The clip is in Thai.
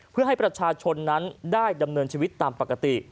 เพื่อให้ประชาชนนั้นได้ดำเนินชีวิตตามปกติ